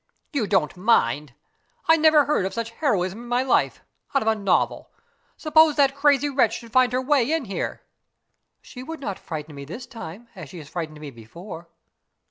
"You don't mind? I never heard of such heroism in my life out of a novel! Suppose that crazy wretch should find her way in here?" "She would not frighten me this time as she frightened me before."